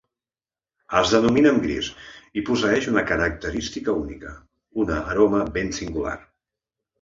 Es denomina ambre gris i posseeix una característica única: una aroma ben singular.